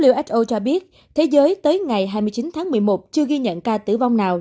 who cho biết thế giới tới ngày hai mươi chín tháng một mươi một chưa ghi nhận ca tử vong nào